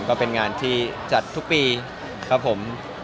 ก็เป็นงานที่จัดทุกปีครับผม